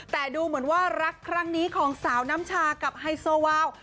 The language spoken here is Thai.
แต่ดูเหมือนว่ารักครั้งนี้ของสาวน้ำชากับไฮโซวาว